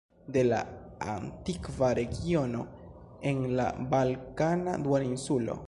De la antikva regiono en la Balkana Duoninsulo.